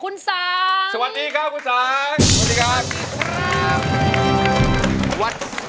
คุณสังสวัสดีครับคุณสังสวัสดีครับคุณสังสวัสดีครับคุณสังสวัสดีครับ